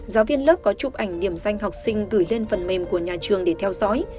giáo viên lớp có chụp ảnh điểm danh học sinh gửi lên phần mềm của nhà trường để theo dõi